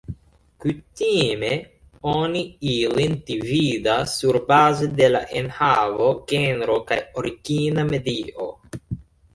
Kutime oni ilin dividas surbaze de la enhavo, genro kaj origina medio.